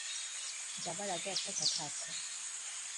যাবার আগে একটা কথা আছে।